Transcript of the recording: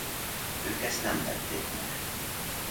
Ők ezt nem tették meg.